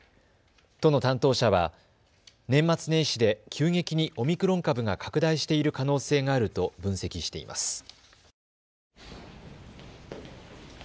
都の担当者は年末年始で急激にオミクロン株が拡大している可能性があると分析しています。